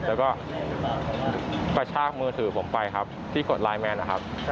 แล้วก็กระชากมือถือผมไปครับที่กดไลนแมนนะครับ